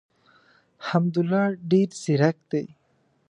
حمدالله ډېر زیرک دی.